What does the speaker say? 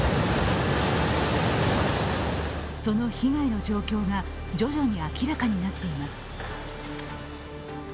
その被害の状況が徐々に明らかになっています。